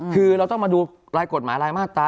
คือเราต้องมาดูรายกฎหมายรายมาตรา